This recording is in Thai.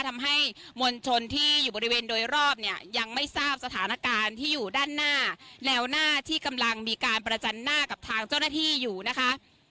ทำให้มวลชนที่อยู่บริเวณโดยรอบเนี่ยยังไม่ทราบสถานการณ์ที่อยู่ด้านหน้าแนวหน้าที่กำลังมีการประจันหน้ากับทางเจ้าหน้าที่อยู่นะคะ